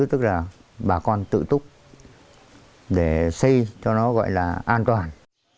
tức là bà con tự túc để xây cho nó gọi là an toàn